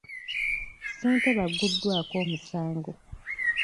Ssentebe agguddwako omusango.